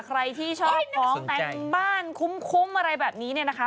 ใครที่ชอบของแต่งบ้านคุ้มอะไรแบบนี้เนี่ยนะคะ